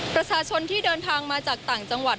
ประชาชนที่เดินทางมาจากต่างจังหวัด